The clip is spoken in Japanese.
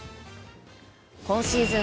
今シーズン